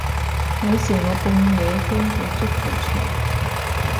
有時我半夜經過足球場